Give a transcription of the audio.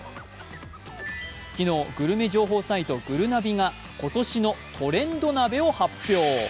昨日グルメ情報サイトぐるなびが今年のトレンド鍋を発表。